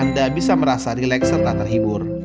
maka bayi anda bisa merasa rileks serta terhibur